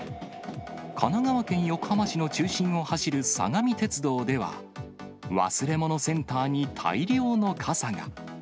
神奈川県横浜市の中心を走る相模鉄道では、忘れ物センターに大量の傘が。